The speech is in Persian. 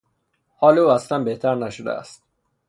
حال او اصلا بهتر نشده است.